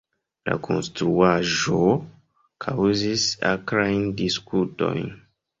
La konstruaĵo kaŭzis akrajn diskutojn.